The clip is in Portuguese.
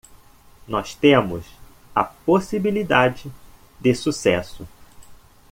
Nós temos a possibilidade de sucesso